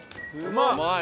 うまい！